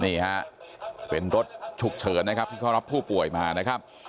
นี่ฮะเป็นรถฉุกเฉินนะครับที่เขารับผู้ป่วยมานะครับ